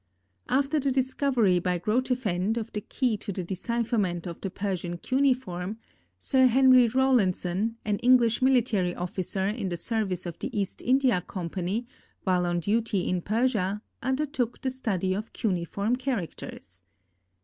After the discovery by Grotefend of the key to the decipherment of the Persian cuneiform, Sir Henry Rawlinson, an English military officer in the service of the East India Company, while on duty in Persia, undertook the study of cuneiform characters.